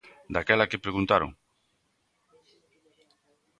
Daquela, que preguntaron?